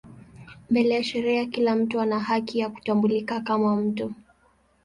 Mbele ya sheria kila mtu ana haki ya kutambulika kama mtu.